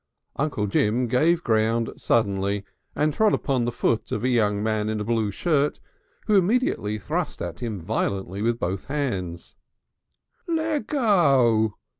Uncle Jim gave ground suddenly, and trod upon the foot of a young man in a blue shirt, who immediately thrust at him violently with both hands. "Lea go!"